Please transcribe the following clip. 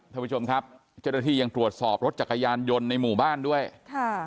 ท่านผู้ชมครับเจ้าหน้าที่ยังตรวจสอบรถจักรยานยนต์ในหมู่บ้านด้วยค่ะ